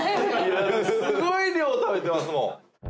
すごい量食べてますもん！